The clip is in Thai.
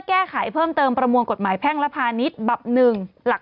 แก้ไขเพิ่มเติมประมวลกฎหมายแพ่งและพาณิชย์บับ๑หลัก